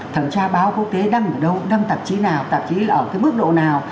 thẩm tra báo quốc tế đâm ở đâu đâm tạp chí nào tạp chí ở cái mức độ nào